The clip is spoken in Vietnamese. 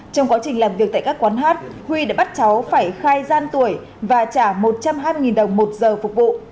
trong quá trình làm việc tại các quán hát huy đã bắt cháu phải khai gian tuổi và trả một trăm hai mươi đồng một giờ phục vụ